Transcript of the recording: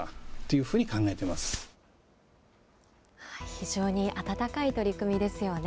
非常に温かい取り組みですよね。